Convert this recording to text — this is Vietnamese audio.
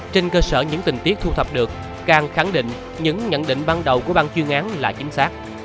trên cơ sở những tình tiết thu thập được càng khẳng định những nhận định ban đầu của bang chuyên án là chính xác